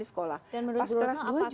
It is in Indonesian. di sekolah dan menurut gue apakah